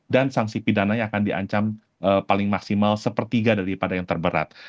dan sanksi pidananya akan diancam paling maksimal sepertiga daripada yang terberat